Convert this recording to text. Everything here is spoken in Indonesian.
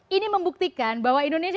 ini membuktikan bahwa indonesia